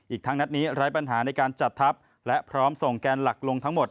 อีกทั้งนัดนี้ไร้ปัญหาในการจัดทัพและพร้อมส่งแกนหลักลงทั้งหมด